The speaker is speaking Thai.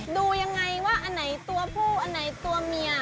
ดูยังไงว่าอันไหนตัวผู้อันไหนตัวเมีย